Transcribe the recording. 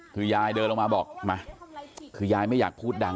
คือยายเดินลงมาบอกมาคือยายไม่อยากพูดดัง